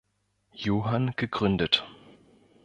Johann gegründet.